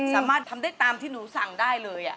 สามารถทำได้ตามที่หนูสั่งได้เลย